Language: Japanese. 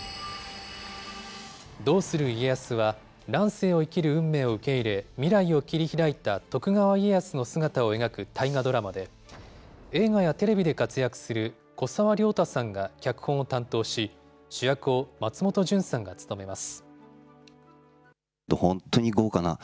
どうする家康は、乱世を生きる運命を受け入れ、未来を切り開いた徳川家康の姿を描く大河ドラマで、映画やテレビで活躍する古沢良太さんが脚本を担当し、主役を松本潤さんが務めます。